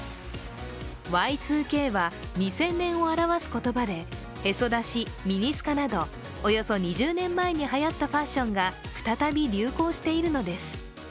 Ｙ２Ｋは２０００年を表す言葉でヘソ出し、ミニスカなどおよそ２０年前にはやったファッションが再び流行しているのです。